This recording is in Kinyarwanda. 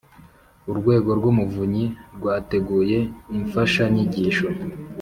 Urwego rw Umuvunyi rwateguye imfashanyigisho